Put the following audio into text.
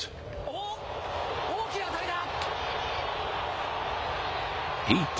おっ、大きな当たりだ！